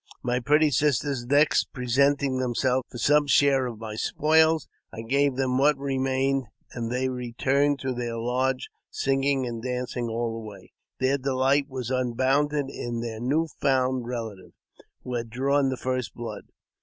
My pretty sisters next presenting themselves for some share of my spoils, I gave I AUTOBIOGBAPHY OF JAMES P. BECKWOOBTH. 139 them what remained, and they returned to their lodge singing and dancing all the way. Their delight was unbounded in their new found relative, who had drawn the first blood.